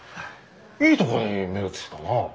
いいところに目をつけたな。